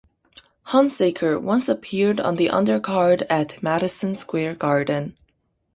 Hunsaker once appeared on the undercard at Madison Square Garden.